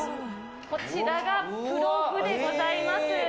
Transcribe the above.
こちらがプロフでございます。